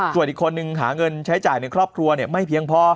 ส่วนอีกคนนึงหาเงินใช้จ่ายในครอบครัวไม่เพียงพอ